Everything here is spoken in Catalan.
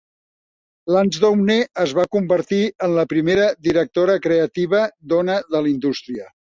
Lansdowne es va convertir en la primera directora creativa dona de la indústria.